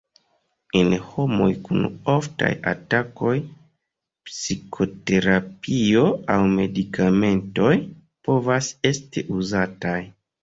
En homoj kun oftaj atakoj, psikoterapio aŭ medikamentoj povas esti uzataj.